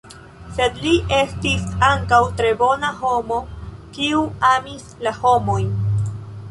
Sed li estis ankaŭ tre bona homo, kiu amis la homojn.